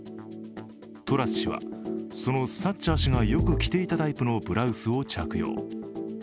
トラス氏はそのサッチャー氏がよく着ていたタイプのブラウスを着用。